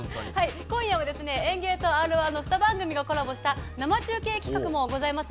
今夜はＥＮＧＥＩとＲ−１の２番組がコラボした生中継企画もございます。